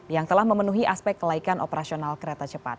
yang telah memenuhi aspek kelaikan operasional kereta cepat